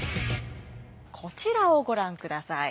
こちらをご覧ください。